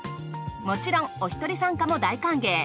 もちろんおひとり参加も大歓迎。